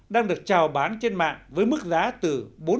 đang được trào bán trên mạng với mức giá từ bốn trăm linh đồng đến một triệu rưỡi